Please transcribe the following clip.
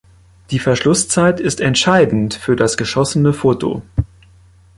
Die Verschlusszeit ist entscheidend für das geschossene Foto.